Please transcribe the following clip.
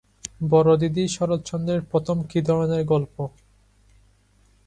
বড়দিদি শরৎচন্দ্রের প্রথম কি ধরনের গল্প?